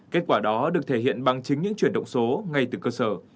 kết quả đó được thể hiện bằng chính những chuyển động số ngay từ cơ sở